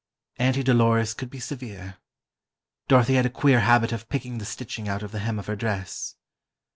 Auntie Dolores could be severe. Dorothy had a queer habit of picking the stitching out of the hem of her dress.